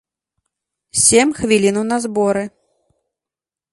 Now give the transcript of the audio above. Сем хвілінаў на зборы.